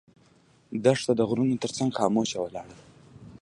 دښته د غرونو تر څنګ خاموشه ولاړه ده.